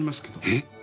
えっ！？